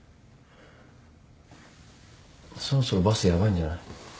そろそろバスヤバいんじゃない？